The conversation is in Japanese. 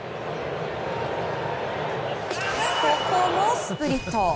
ここもスプリット！